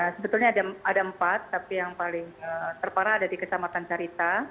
sebetulnya ada empat tapi yang paling terparah ada di kecamatan carita